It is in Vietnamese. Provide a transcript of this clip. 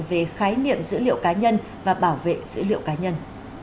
về khái niệm dữ liệu cá nhân và bảo vệ dữ liệu cá nhân